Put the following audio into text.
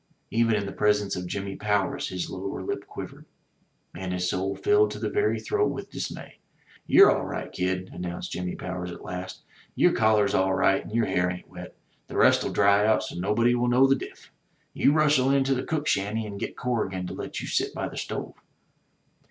Even in the presence of Jimmy Powers his lower lip quivered; and his soul filled to the very throat with dismay. "You're all right, kid," announced Jimmy Powers at last. "Your collar's all right, and your hair ain't wet. The rest'U 140 THE TREASURE CHEST dry out so nobody will know the diff'. You rustle in to the cook shanty and get Corrigan to let you sit by the stove."